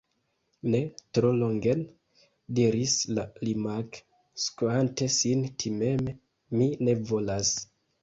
"Ne! Tro longen!" diris la limak', skuante sin timeme,"Mi ne volas."